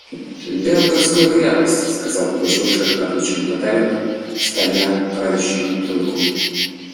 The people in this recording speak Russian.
«В Белогорскую крепость!» – сказал Пугачев широкоплечему татарину, стоя правящему тройкою.